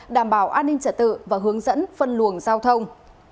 đảm bảo an ninh trả tự và hướng dẫn phân luồng giao thông